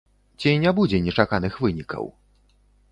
Ці не будзе нечаканых вынікаў?